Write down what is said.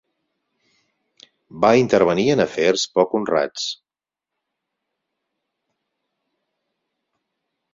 Va intervenir en afers poc honrats.